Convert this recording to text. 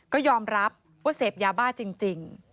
ก็ยอมรับว่าเสพยาบ้าจริง